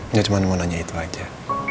nggak cuma mau nanya itu aja